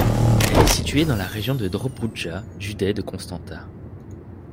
Elle est située dans la région de Dobroudja, județ de Constanța.